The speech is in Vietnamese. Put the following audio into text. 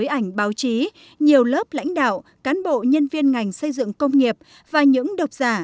ảnh báo chí nhiều lớp lãnh đạo cán bộ nhân viên ngành xây dựng công nghiệp và những độc giả